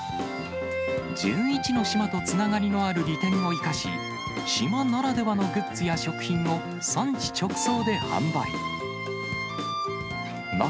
１１の島とつながりのある利点を生かし、島ならではのグッズや食品を産地直送で販売。